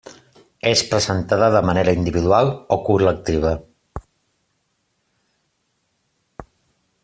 És presentada de manera individual o col·lectiva.